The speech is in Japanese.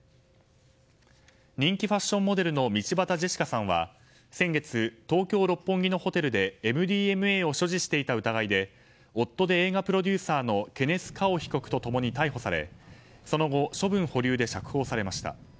人気ファッションモデルの道端ジェシカさんは先月、東京・六本木のホテルでＭＤＭＡを所持していた疑いで夫で映画プロデューサーのケネス・カオ被告と共に逮捕されその後、処分保留で釈放されました。